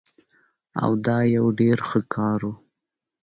او دا يو ډير ښه کار وو